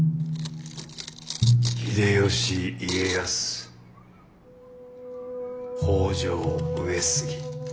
秀吉家康北条上杉